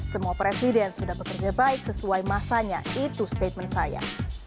semua presiden sudah bekerja baik sesuai masanya itu statement saya